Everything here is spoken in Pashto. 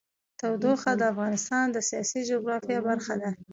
تودوخه د افغانستان د سیاسي جغرافیه برخه ده.